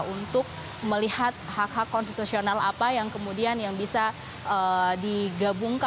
untuk melihat hak hak konstitusional apa yang kemudian yang bisa digabungkan